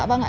dạ vâng ạ